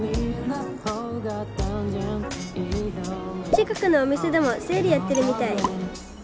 近くのお店でもセールやってるみたい！